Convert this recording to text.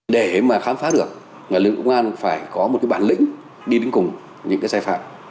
để mà khám phá được người lên công an phải có một cái bản lĩnh đi đứng cùng những cái sai phạm